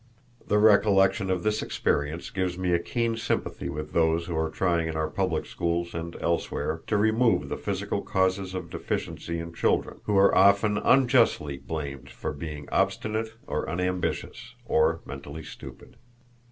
The recollection of this experience gives me a keen sympathy with those who are trying in our public schools and elsewhere to remove the physical causes of deficiency in children, who are often unjustly blamed for being obstinate or unambitious, or mentally stupid.